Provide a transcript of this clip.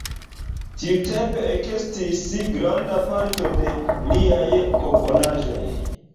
Tiutempe ekestis granda parto de liaj komponaĵoj.